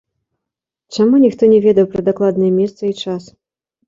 Чаму ніхто не ведаў пра дакладныя месца і час?